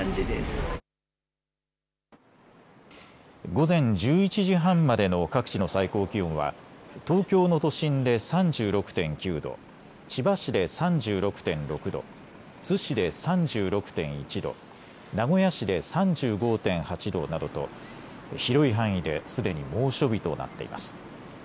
午前１１時半までの各地の最高気温は東京の都心で３６．９度、千葉市で３６．６度、津市で３６．１度、名古屋市で３５．８度などと広い範囲ですでに猛暑日となっています。